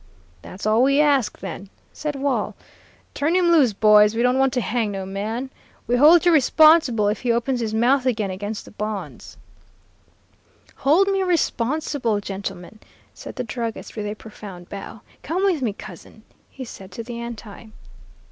"'That's all we ask, then,' said Wall; 'turn him loose, boys. We don't want to hang no man. We hold you responsible if he opens his mouth again against the bonds.' "'Hold me responsible, gentlemen,' said the druggist, with a profound bow. 'Come with me, Cousin,' he said to the Anti.